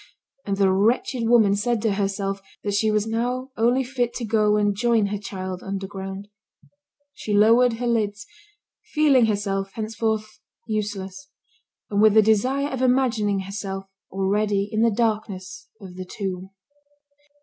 And the wretched woman said to herself that she was now only fit to go and join her child underground. She lowered her lids, feeling herself, henceforth, useless, and with the desire of imagining herself already in the darkness of the tomb.